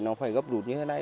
nó phải gấp rút như thế này